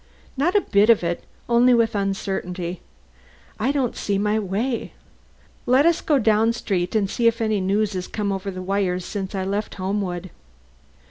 "Not a bit of it, only with uncertainty. I don't see my way. Let us go down street and see if any news has come over the wires since I left Homewood."